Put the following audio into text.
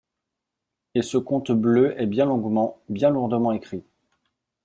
Et ce conte bleu est bien longuement, bien lourdement écrit.